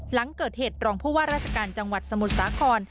หลังเกิดเหตุรองผู้ว่าราชการจังหวัดสมุทรสาคร